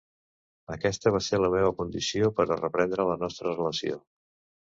Aquesta va ser la meua condició per a reprendre la nostra relació.